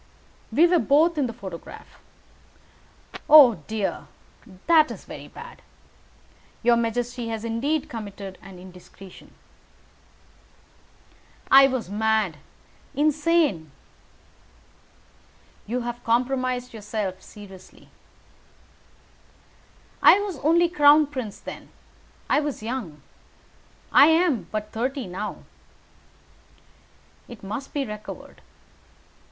"We were both in the photograph." "Oh, dear! That is very bad. Your majesty has indeed committed an indiscretion." "I was mad insane." "You have compromised yourself seriously." "I was only crown prince then. I was young. I am but thirty now." "It must be recovered."